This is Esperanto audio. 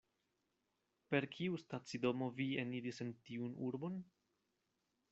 Per kiu stacidomo vi eniris en tiun urbon?